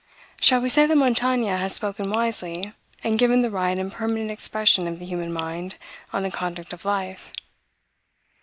Shall we say that Montaigne has spoken wisely, and given the right and permanent expression of the human mind, on the conduct of life?